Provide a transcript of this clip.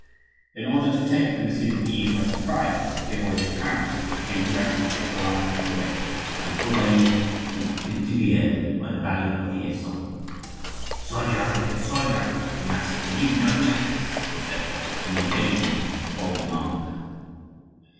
In order to take the Messieurs de Guise by surprise he avoided Paris, and came direct from Ecouen to Corbeil, and from Corbeil to Pithiviers by the valley of the Essonne. "Soldier against soldier, we must leave no chances," he said on the occasion of this bold march.